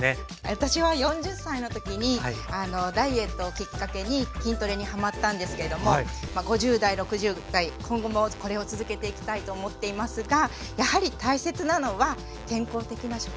私は４０歳の時にダイエットをきっかけに筋トレにハマったんですけども５０代６０代今後もこれを続けていきたいと思っていますがやはり大切なのは健康的な食事です。